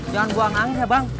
jangan buang air ya bang